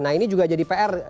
nah ini juga jadi pr